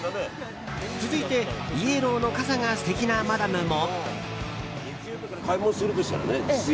続いて、イエローの傘が素敵なマダムも。